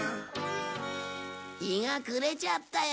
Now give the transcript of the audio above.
日が暮れちゃったよ。